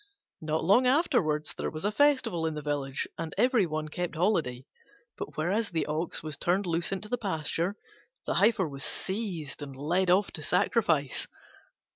Not long afterwards there was a festival in the village and every one kept holiday: but, whereas the Ox was turned loose into the pasture, the Heifer was seized and led off to sacrifice.